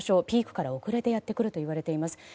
ピークから遅れてやってくるといわれています。